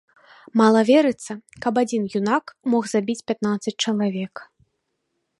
Мала верыцца, каб адзін юнак мог забіць пятнаццаць чалавек.